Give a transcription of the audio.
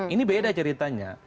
ini beda ceritanya